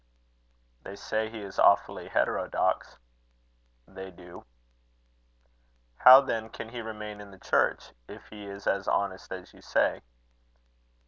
"They say he is awfully heterodox." "They do." "How then can he remain in the church, if he is as honest as you say?"